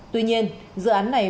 tuy nhiên dự án này